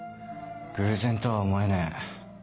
偶然とは思えねえ。